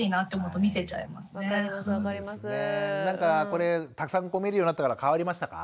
これたくさん見るようになってから変わりましたか？